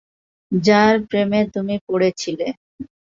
যার প্রেমে তুমি পড়েছিলে।